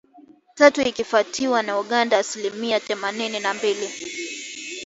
tatu ikifuatiwa na Uganda asilimia themanini na mbili